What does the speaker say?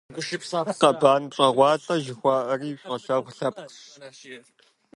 «Къэбан пщӀэгъуалэ» жыхуаӀэри щолэхъу лъэпкъщ.